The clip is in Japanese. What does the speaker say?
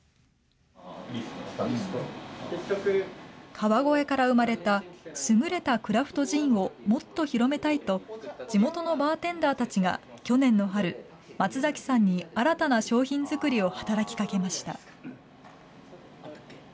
川越から生まれた優れたクラフトジンをもっと広めたいと、地元のバーテンダーたちが去年の春、松崎さんに新たな商品作りを働きかけました。